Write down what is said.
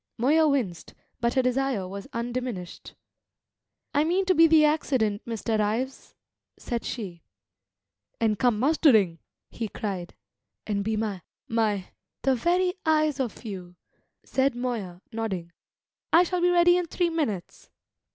Moya winced, but her desire was undiminished. "I mean to be the accident, Mr. Ives," said she. "And come mustering?" he cried. "And be my my " "The very eyes of you," said Moya, nodding. "I shall be ready in three minutes!"